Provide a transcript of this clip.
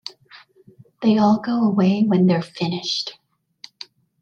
They all go away when they're finished.